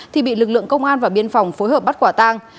thì bị lực lượng công an và biên phòng phối hợp bắt quả tang